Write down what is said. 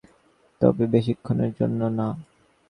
তবে বেশিক্ষণের জন্য না।